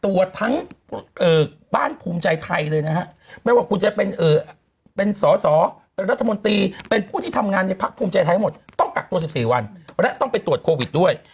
วันนั้นต้องไปตรวจโควิดด้วย